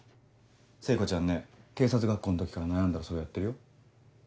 聖子ちゃんね警察学校の時から悩んだらそれやってるよ。